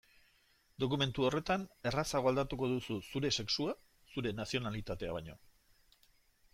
Dokumentu horretan errazago aldatuko duzu zure sexua zure nazionalitatea baino.